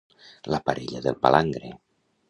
La parella del palangre.